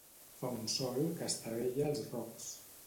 Fa un sol que estavella els rocs